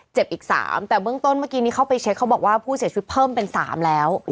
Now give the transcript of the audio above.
อีก๓แต่เบื้องต้นเมื่อกี้นี้เข้าไปเช็คเขาบอกว่าผู้เสียชีวิตเพิ่มเป็น๓แล้ว